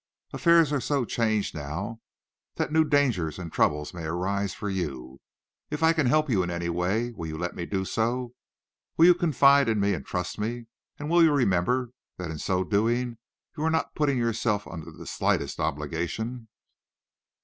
Affairs are so changed now, that new dangers and troubles may arise for you. If I can help you in any way, will you let me do so? Will you confide in me and trust me, and will you remember that in so doing you are not putting yourself under the slightest obligation?"